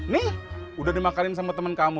nih udah dimakan sama temen kamu